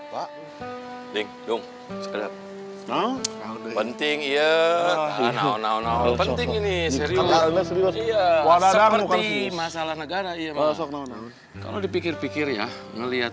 penting iya nah penting ini serius masalah negara iya kalau dipikir pikir ya ngelihat